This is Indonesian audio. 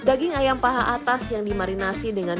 daging ayam paha atas yang dimarinasi dengan